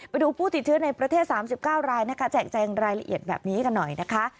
ผู้ติดเชื้อในประเทศ๓๙รายนะคะแจกแจงรายละเอียดแบบนี้กันหน่อยนะคะ